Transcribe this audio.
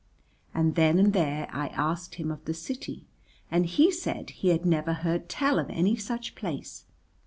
And then and there I asked him of the city and he said he had never heard tell of any such place.